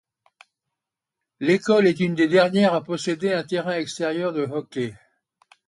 L'école est une des dernières à posséder un terrain extérieur de hockey.